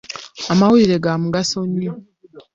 Amawulire ga mugaso nnyo.